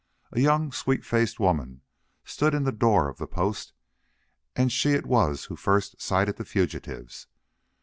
A young, sweet faced woman stood in the door of the post and she it was who first sighted the fugitives.